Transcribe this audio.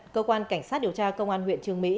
cơ quan cảnh sát điều tra công an huyện trường mỹ